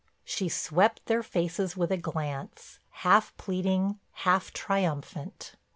She swept their faces with a glance, half pleading, half triumphant.